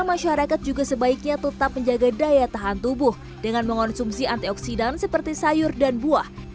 masyarakat juga sebaiknya tetap menjaga daya tahan tubuh dengan mengonsumsi antioksidan seperti sayur dan buah